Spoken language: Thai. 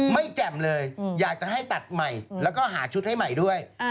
แจ่มเลยอยากจะให้ตัดใหม่แล้วก็หาชุดให้ใหม่ด้วย